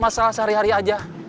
masalah sehari hari aja